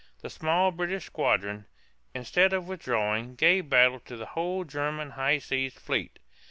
The small British squadron, instead of withdrawing, gave battle to the whole German high seas fleet.